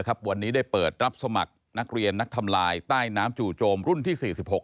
วันนี้ได้เปิดรับสมัครนักเรียนนักทำลายใต้น้ำจู่โจมรุ่นที่๔๖